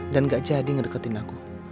dan gak jadi ngedeketin aku